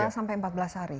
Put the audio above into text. sampai empat belas hari